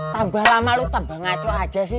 tambah lama lo tambah ngacau aja sih